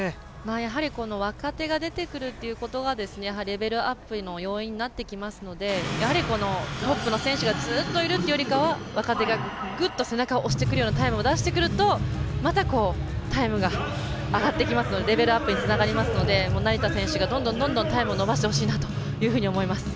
やはり若手が出てくるっていうことはレベルアップの要因になってきますのでやはり、トップの選手がずっといるというよりかは若手がぐっと背中を押してくるようなタイムを出してくるとまたタイムが上がってきますのでレベルアップにつながりますので成田選手が、どんどんタイムを伸ばしてほしいなと思います。